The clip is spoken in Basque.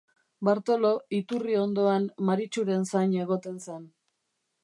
Bartolo iturri ondoan Maritxuren zain egoten zen.